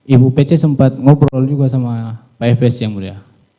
ibu pece sempat ngobrol juga sama pak efes yang mulia